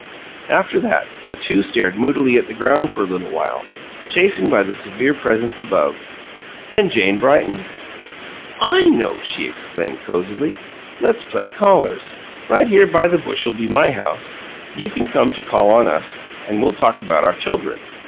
After that, the two stared moodily at the ground for a little while, chastened by the severe presence above; then Jane brightened. "I know!" she exclaimed, cozily. "Let's play callers. Right here by this bush 'll be my house. You come to call on me, an' we'll talk about our chuldren.